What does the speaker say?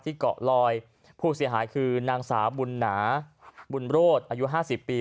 เกาะลอยผู้เสียหายคือนางสาวบุญหนาบุญโรธอายุ๕๐ปี